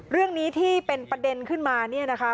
เรื่องนี้ที่เป็นประเด็นขึ้นมาเนี่ยนะคะ